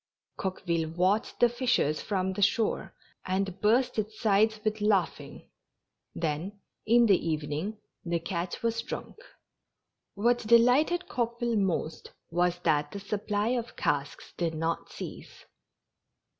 Coqueville watched the fishers from the shore, and burst its sides with laughing ; then, in the evening, the catch was drunk. What delighted Coqueville most was that the supply of casks did not cease.